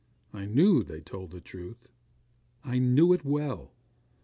I knew they told the truth I knew it well.